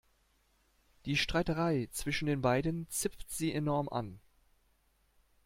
Die Streiterei zwischen den beiden zipft sie enorm an.